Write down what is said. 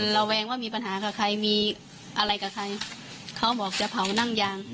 ระแวงว่ามีปัญหากับใครมีอะไรกับใครเขาบอกจะเผานั่งยาง